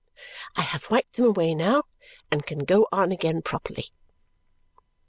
There! I have wiped them away now and can go on again properly.